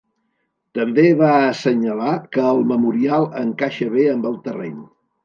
També va assenyalar que el memorial encaixa bé amb el terreny.